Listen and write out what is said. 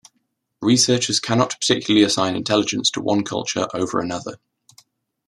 Researchers can not particularly assign intelligence to one culture over another.